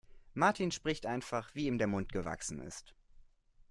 Martin spricht einfach, wie ihm der Mund gewachsen ist.